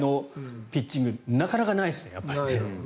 １回のピッチングなかなかないですよね。